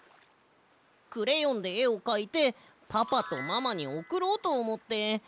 クレヨンでえをかいてパパとママにおくろうとおもって。